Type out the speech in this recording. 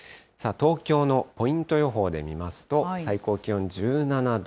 東京のポイント予報で見ますと、最高気温１７度。